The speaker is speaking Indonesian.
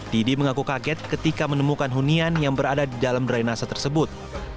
didi mengaku kaget ketika menemukan hunian yang berada di dalam drainase tersebut